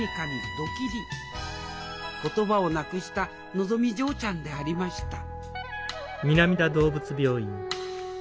言葉をなくしたのぞみ嬢ちゃんでありました